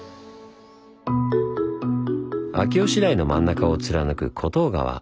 秋吉台の真ん中を貫く厚東川。